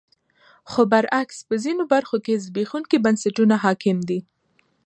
خو برعکس په ځینو برخو کې زبېښونکي بنسټونه حاکم دي.